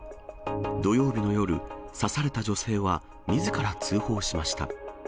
土曜日の夜、刺された女性は、みずから通報しました。